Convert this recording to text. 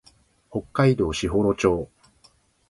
北海道士幌町